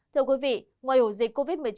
thưa quý vị ngoài ổ dịch covid một mươi chín